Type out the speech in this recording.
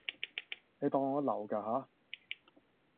你當我流架吓